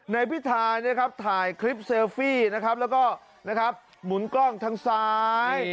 ในพยายามที่ถ่ายคลิปเซลฟี่แล้วก็หมุนกล้องทางซ้าย